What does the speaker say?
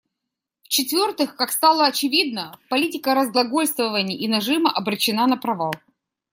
В-четвертых, как стало очевидно, политика разглагольствований и нажима обречена на провал.